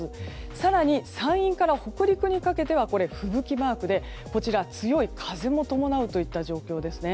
更に山陰から北陸にかけては吹雪マークで強い風も伴うといった状況ですね。